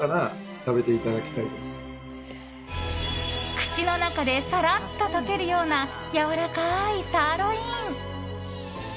口の中でさらっと溶けるようなやわらかいサーロイン。